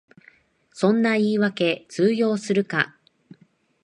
そんな言いわけ通用するか